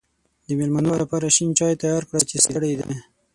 د مېلمنو لپاره شین چای تیار کړی چې ستړی دی.